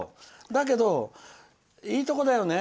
だけど、いいところだよね。